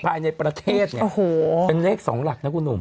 ภายในประเทศเนี่ยโอ้โหเป็นเลข๒หลักนะคุณหนุ่ม